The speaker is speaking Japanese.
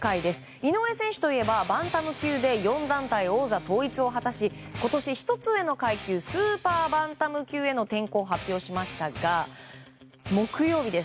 井上選手といえばバンタム級で４団体王座統一を果たし今年１つ上の階級スーパーバンタム級への転向を発表しましたが木曜日です。